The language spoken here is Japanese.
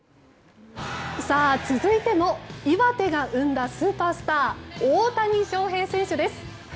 続いても岩手が生んだスーパースター大谷翔平選手です。